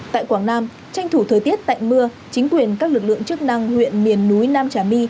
tại quảng nam tranh thủ thời tiết tạnh mưa chính quyền các lực lượng chức năng huyện miền núi nam trà my